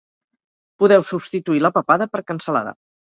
Podeu substituir la papada per cansalada